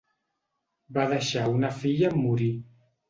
Va deixar una filla en morir.